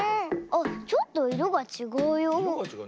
あっちょっといろがちがうよほら。